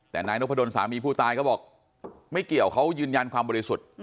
แต่นายนพดลสามีผู้ตายเขาบอกไม่เกี่ยวเขายืนยันความบริสุทธิ์